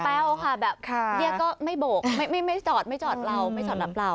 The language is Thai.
ค่ะแบบเรียกก็ไม่โบกไม่จอดไม่จอดเราไม่จอดแบบเรา